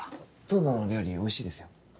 東堂の料理おいしいですよ